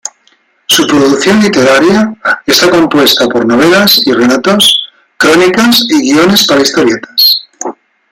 Su producción literaria está compuesta por novelas y relatos, crónicas y guiones para historietas.